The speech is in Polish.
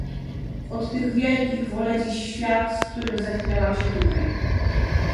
"Od tych wielkich wolę dziś świat, z którym zetknęłam się tutaj."